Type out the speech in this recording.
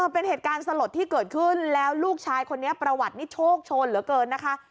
เป็นเหตุการณ์สลดที่เกิดขึ้นแล้วลูกชายคนนี้ประวัตินี่โชคโชนเหลือเกินนะคะ